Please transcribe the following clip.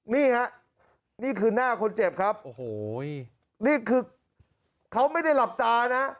นี่ฮะนี่คือหน้าคนเจ็บครับโอ้โหนี่คือเขาไม่ได้หลับตานะ